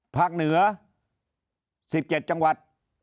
ภาคเหนือสิบเจ็ดจังหวัด